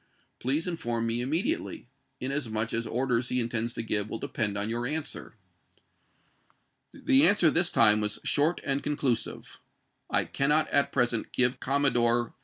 Please inform me immediately, in asmuch as orders he intends to give will depend on your answer." The answer this time was short and Vol. XVII., conclusive. " I cannot at present give Commodore p. 97.